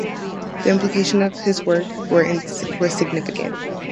The implications of his work were significant.